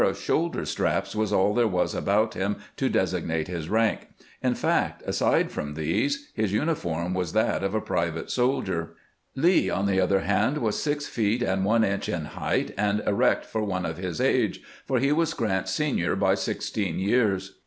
of shoulder straps was all there was about him to desig nate his rank. In fact, aside from these, his uniform was that of a private soldier. Lee, on the other hand, was six feet and one inch in height, and erect for one of his age, for he was Grant's senior by sixteen years.